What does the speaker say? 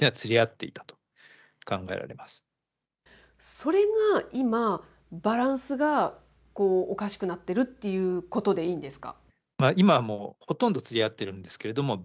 それが今、バランスがおかしくなっているということでいいんですか。